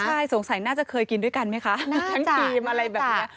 ใช่สงสัยน่าจะเคยกินด้วยกันไหมคะน่าจะ